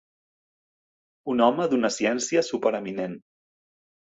Un home d'una ciència supereminent.